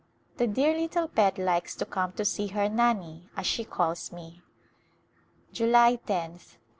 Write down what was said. The dear little pet likes to come to see her Ndni^ as she calls me. July loth.